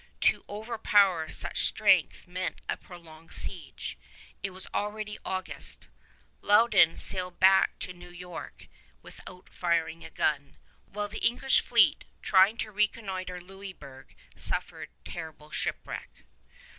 To overpower such strength meant a prolonged siege. It was already August. Loudon sailed back to New York without firing a gun, while the English fleet, trying to reconnoiter Louisburg, suffered terrible shipwreck.